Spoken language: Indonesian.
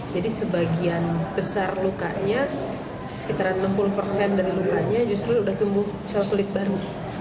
jadi sebagian besar lukanya sekitar enam puluh persen dari lukanya justru sudah tumbuh sel kulit baru